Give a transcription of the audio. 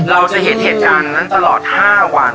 เราจะเห็นเหตุการณ์นั้นตลอด๕วัน